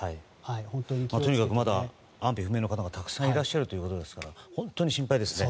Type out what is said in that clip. とにかくまだ安否不明の方がたくさんいるということですから本当に心配ですね。